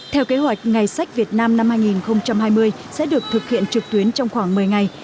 theo kế hoạch ngày sách việt nam năm hai nghìn hai mươi sẽ được thực hiện trực tuyến trong khoảng một mươi ngày